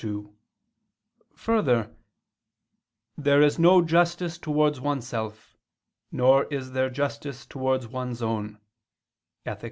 2: Further, "there is no justice towards oneself ... nor is there justice towards one's own" (Ethic.